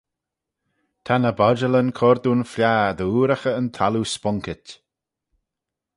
Ta ny bodjalyn cur dooin fliaghey dy ooraghey yn thalloo sponkit.